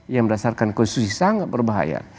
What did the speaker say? yang berdasarkan konstitusi sangat berbahaya